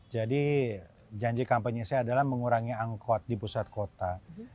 jadi janji kampanye saya adalah mengurangi angkot di pusat kota